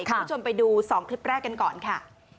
คุณผู้ชมไปดู๒คลิปแรกกันก่อนค่ะ